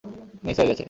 Miss হয়ে গেছে।